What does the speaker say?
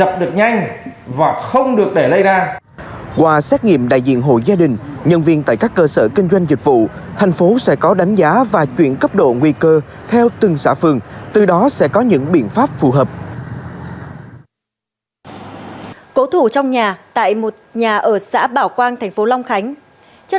và nhân viên tại tất cả các cơ sở kinh doanh dịch vụ trên địa bàn để đánh giá mức độ nguy cơ có phương án phù hợp